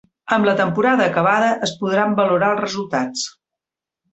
Amb la temporada acabada es podran valorar els resultats.